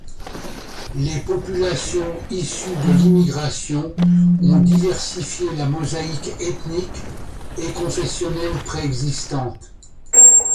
Les populations issues de l'immigration ont diversifié la mosaïque ethnique et confessionnelle préexistante.